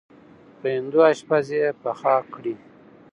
په هندو اشپز یې پخه کړې.